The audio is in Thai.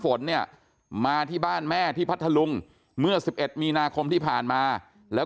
ฝนเนี่ยมาที่บ้านแม่ที่พัทธลุงเมื่อ๑๑มีนาคมที่ผ่านมาแล้ว